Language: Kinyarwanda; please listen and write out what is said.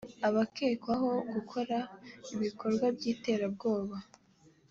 w abakekwaho gukora ibikorwa by iterabwoba